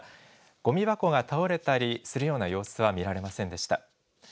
ごみ箱が倒れたりするような様子は見られませんでした。